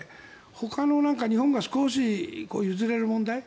ほかの、日本が少し譲れる問題